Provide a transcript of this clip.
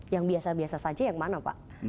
yang biasa biasa saja yang mana pak